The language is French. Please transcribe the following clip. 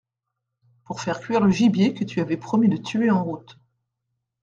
Pour faire cuire le gibier que tu avais promis de tuer en route.